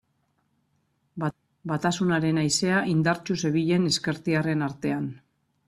Batasunaren haizea indartsu zebilen ezkertiarren artean.